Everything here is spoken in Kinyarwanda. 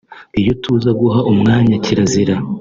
Iyo tuza guha umwanya kirazira